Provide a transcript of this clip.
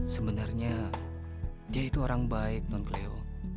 sebenarnya dia itu orang baik non pleo